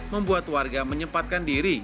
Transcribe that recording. membuat warga menyempatkan diri